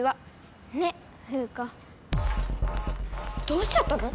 どうしちゃったの？